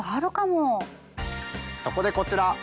そこでこちら。